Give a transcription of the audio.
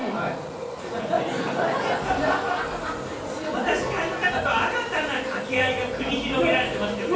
また司会の方と新たな掛け合いが繰り広げられてましたね。